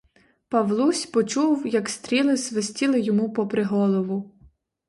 Павлусь почув, як стріли свистіли йому попри голову.